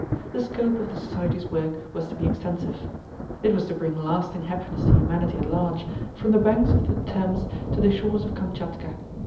The scope of the society's work was to be extensive: it was to bring lasting happiness to humanity at large, from the banks of the Thames to the shores of Kamtchatka.